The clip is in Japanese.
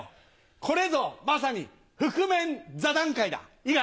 これぞまさに覆面座談会だいいか？